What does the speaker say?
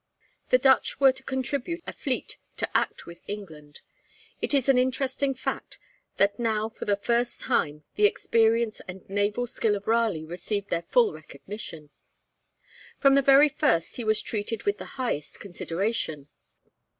The Dutch were to contribute a fleet to act with England. It is an interesting fact that now for the first time the experience and naval skill of Raleigh received their full recognition. From the very first he was treated with the highest consideration.